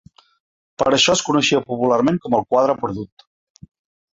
Per això es coneixia popularment com el quadre ‘perdut’.